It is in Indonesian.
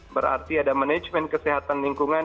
berarti ada manajemen kesehatan lingkungan